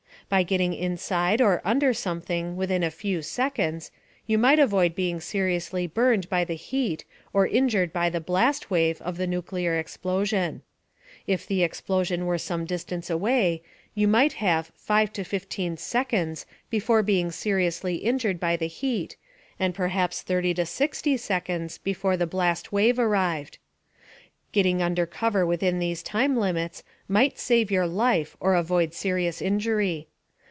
By getting inside or under something within a few seconds, you might avoid being seriously burned by the heat or injured by the blast wave of the nuclear explosion. If the explosion were some distance away, you might have 5 to 15 seconds before being seriously injured by the heat, and perhaps 30 to 60 seconds before the blast wave arrived. Getting under cover within these time limits might save your life or avoid serious injury.